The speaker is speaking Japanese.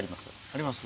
あります？